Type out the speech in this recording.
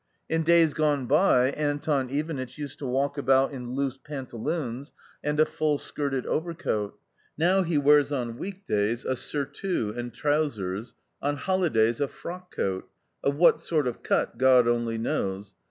In days gone by Anton Ivanitch used to walk about in loose pantaloons and a full skirted overcoat, now he wears on weekdays a surtout and trousers, on holidays, a frock coat — of what sort of cut God only knows.